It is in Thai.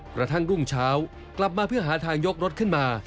กระทั่งรุ่งเช้ากลับมาเพื่อหาทางยกรถขึ้นมา